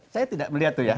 saya tidak melihat tuh ya